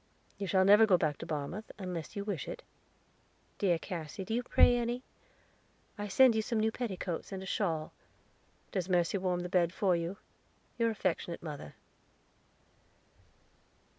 You shall never go back to Barmouth, unless you wish it. Dear Cassy, do you pray any? I send you some new petticoats, and a shawl. Does Mercy warm the bed for you? Your affectionate Mother."